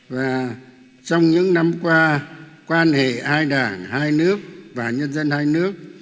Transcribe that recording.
và trong những năm qua quan hệ hai đảng hai nước và nhân dân hai nước